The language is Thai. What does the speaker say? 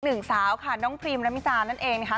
หนึ่งสาวค่ะน้องพรีมระมิจานั่นเองนะคะ